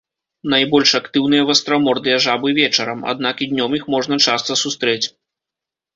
Найбольш актыўныя вастрамордыя жабы вечарам, аднак і днём іх можна часта сустрэць.